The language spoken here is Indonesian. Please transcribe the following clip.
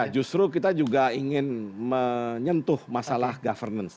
justru kita juga ingin menyentuh masalah governance